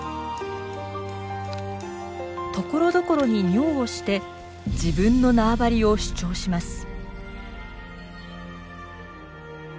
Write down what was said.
ところどころに尿をして自分の縄張りを主張します。